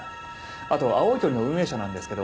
あと青い鳥の運営者なんですけど